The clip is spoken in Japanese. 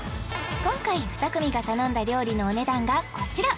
今回２組が頼んだ料理のお値段がこちら